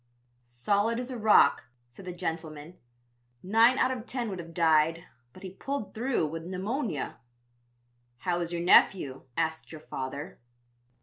"'Solid as a rock,' said the gentleman; 'nine out of ten would have died, but he pulled through with pneumonia.' "'How is your nephew?' asked your father.